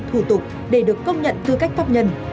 thủ tục để được công nhận tư cách pháp nhân